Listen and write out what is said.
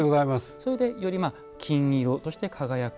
それでより金色として輝く。